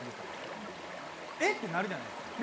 えっ？ってなるじゃないですか。